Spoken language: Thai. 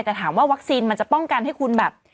แต่ถามว่าวัคซีนมันจะป้องกันให้คุณแบบ